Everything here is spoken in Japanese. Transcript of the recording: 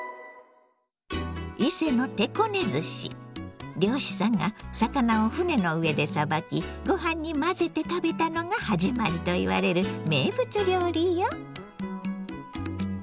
伊勢の漁師さんが魚を船の上でさばきご飯に混ぜて食べたのが始まりといわれる名物料理よ。